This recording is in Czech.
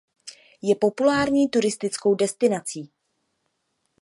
Je populární turistickou destinací.